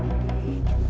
ya dia bangun